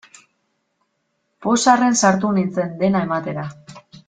Pozarren sartu nintzen, dena ematera.